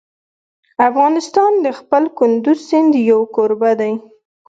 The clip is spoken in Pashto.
افغانستان د خپل کندز سیند یو کوربه دی.